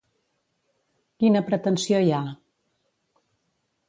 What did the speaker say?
Quina pretensió hi ha?